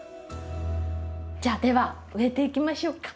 じゃあでは植えていきましょうか。